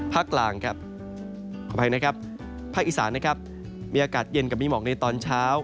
ภาคกลางภาคอีสานมีอากาศเย็นกับมีหมอกในตอนเช้า